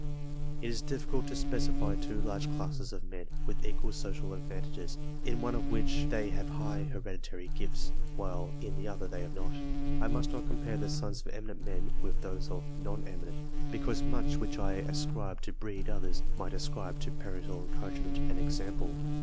It is difficult to specify two large classes of men, with equal social advantages, in one of which they have high hereditary gifts, while in the other they have not. I must not compare the sons of eminent men with those of non eminent, because much which I should ascribe to breed, others might ascribe to parental encouragement and ex ample.